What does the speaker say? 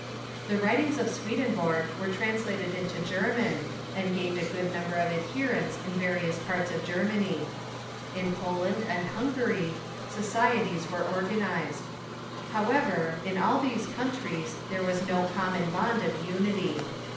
The Avritings of Swedenborg were translated into German, and gained a good 330 THE MODERN CHUKCII number of adherents in various parts of Germany. In Poland and Hungary societies were organized. However, in all these countries there was no common bond of unity.